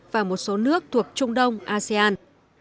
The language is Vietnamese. và một số nước thuộc trung đông asean